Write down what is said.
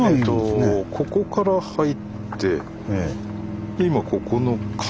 ここから入って今ここの角。